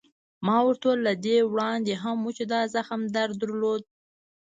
ما ورته وویل: له دې وړاندې هم و، چې دا زخم در درلود؟